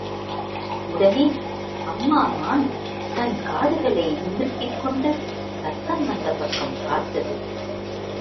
உடனே, அம்மா மான் தன் காதுகளை நிமிர்த்திக் கொண்டு சத்தம் வந்த பக்கம் பார்த்தது.